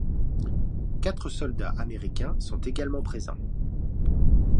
Quatre soldats américains sont également présents.